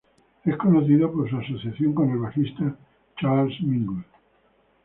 Es conocido por su asociación con el bajista Charles Mingus.